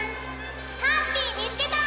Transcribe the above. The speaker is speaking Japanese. ハッピーみつけた！